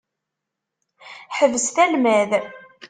Ḥebset almad!